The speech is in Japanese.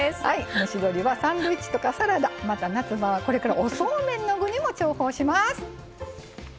蒸し鶏はサンドイッチとかサラダまた夏場はこれからおそうめんの具にも重宝します。